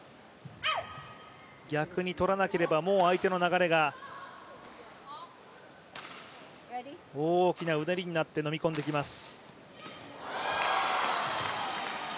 逆に取らなければもう相手の流れが、大きなうねりになってのみ込んできます。